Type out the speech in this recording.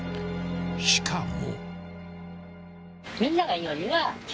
［しかも］